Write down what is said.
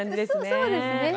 そうですね。